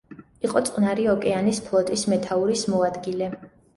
იყო წყნარი ოკეანის ფლოტის მეთაურის მოადგილე.